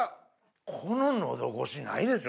この喉ごしないですよ